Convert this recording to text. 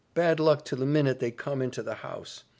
Bad luck to the minute they come into the house!